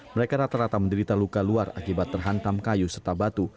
mereka rata rata menderita luka luar akibat terhantam kayu serta batu